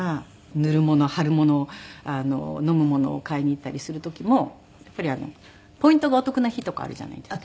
塗るもの貼るもの飲むものを買いに行ったりする時もやっぱりポイントがお得な日とかあるじゃないですか。